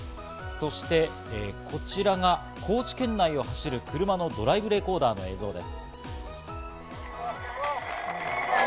そしてこちらが高知県内を走る車のドライブレコーダーの映像です。